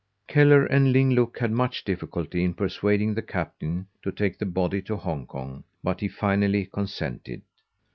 Kellar and Ling Look had much difficulty in persuading the captain to take the body to Hong Kong, but he finally consented.